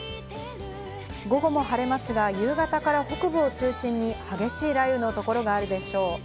午後も晴れますが、夕方から北部を中心に激しい雷雨の所があるでしょう。